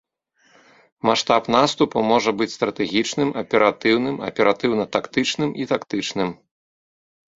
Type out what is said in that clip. Маштаб наступу можа быць стратэгічным, аператыўным, аператыўна-тактычным і тактычным.